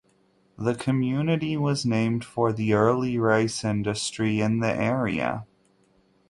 The community was named for the early rice industry in the area.